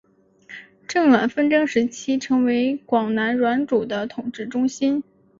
郑阮纷争时期成为广南阮主的统治中心。